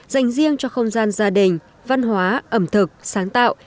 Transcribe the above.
dành riêng cho không gian gia đình văn hóa ẩm thực sáng tạo